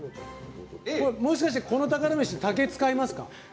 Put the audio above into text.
これ、もしかして、この宝メシ竹を使いますか？